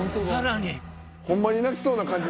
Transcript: ホンマに泣きそうな感じ。